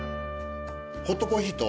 ホットコーヒーと。